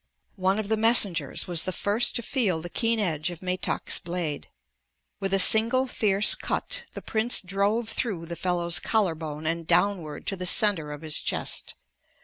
One of the messengers was the first to feel the keen edge of Metak's blade. With a single fierce cut the prince drove through the fellow's collar bone and downward to the center of his chest.